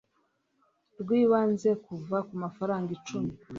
Rw ibanze kuva ku mafaranga icumi